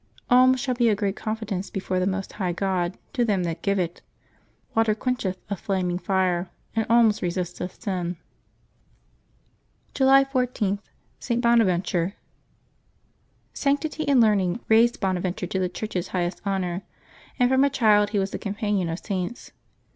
— '^Alms shall be a great confidence before the Most High God to them that give it. Water quencheth a flaming fire, and alms resisteth sin." July I4.~ST. BONAVENTURE. [anctity and learning raised Bonaventure to the Church's highest honors, and from a child he was the companion of Saints.